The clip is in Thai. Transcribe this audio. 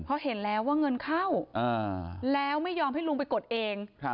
เพราะเห็นแล้วว่าเงินเข้าแล้วไม่ยอมให้ลุงไปกดเอง